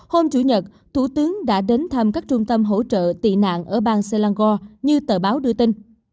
hôm chủ nhật thủ tướng đã đến thăm các trung tâm hỗ trợ tị nạn ở bang selangor như tờ báo đưa tin